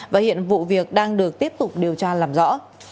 và hiện vụ việc đang được tiếp tục điều tra làm rõ